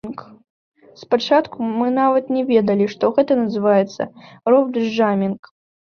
Спачатку мы нават не ведалі, што гэта называецца роўпджампінг.